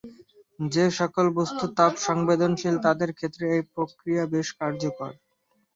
যেসকল বস্তু তাপ সংবেদনশীল তাদের ক্ষেত্রে এই প্রক্রিয়া বেশ কার্যকর।